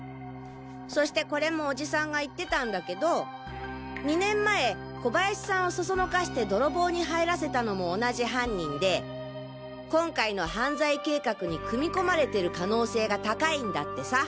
そしてこれもおじさんが言ってたんだけど２年前小林さんをそそのかして泥棒に入らせたのも同じ犯人で今回の犯罪計画に組み込まれてる可能性が高いんだってさ。